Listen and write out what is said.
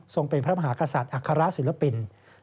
เป็นพระมหากษัตริย์อัครศิลปิน